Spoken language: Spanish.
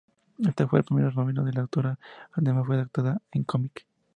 Esta fue la primera novela de la autora, además fue adaptada en cómic.